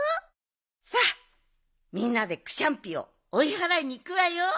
さあみんなでクシャンピーをおいはらいにいくわよ！